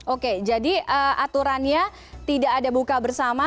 oke jadi aturannya tidak ada buka bersama